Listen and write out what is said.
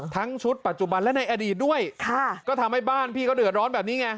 ทั้งชุดปัจจุบันและในอดีตด้วยค่ะก็ทำให้บ้านพี่เขาเดือดร้อนแบบนี้ไง